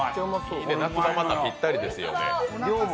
夏にまたぴったりですよね。